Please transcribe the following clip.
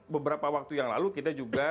beberapa waktu yang lalu kita juga